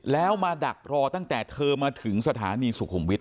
แล้วมาดักรอตั้งแต่เธอมาถึงสถานีสุขุมวิทย